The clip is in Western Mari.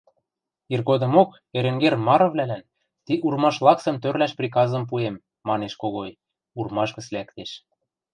Иргодымок Эренгер марывлӓлӓн ти урмаш лаксым тӧрлӓш приказым пуэм, — манеш Когой, урмаш гӹц лӓктеш.